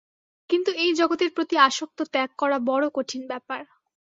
কিন্তু এই জগতের প্রতি আসক্তি ত্যাগ করা বড় কঠিন ব্যাপার।